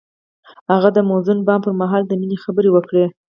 هغه د موزون بام پر مهال د مینې خبرې وکړې.